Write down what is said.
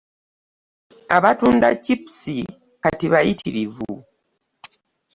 Abatunda ccipusi kati bayitirivu.